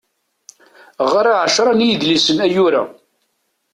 Ɣriɣ ɛecra n yidlisen ayyur-a.